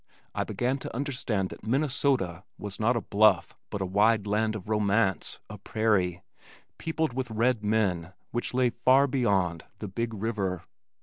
I began to understand that "Minnesota" was not a bluff but a wide land of romance, a prairie, peopled with red men, which lay far beyond the big river.